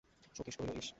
সতীশ কহিল, ইস!